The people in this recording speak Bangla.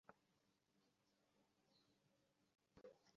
আপনি আমার ঐ বাড়িতে কিছুদিন থেকে আসুন-না!